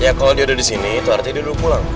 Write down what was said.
ya kalo dia udah disini itu artinya dia udah pulang